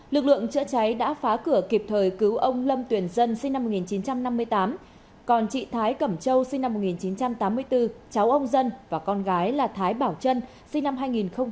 lực lượng chữa cháy đã phá cửa kịp thời cứu ông lâm tuyền dân sinh năm một nghìn chín trăm năm mươi tám còn chị thái cẩm châu sinh năm một nghìn chín trăm tám mươi bốn cháu ông dân và con gái là thái bảo trân sinh năm hai nghìn một mươi hai phát hiện tử vong